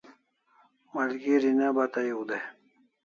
Malgeri ne bata ew dai